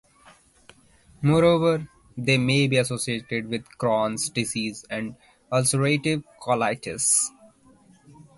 Moreover, they may be associated with Crohn's disease and ulcerative colitis.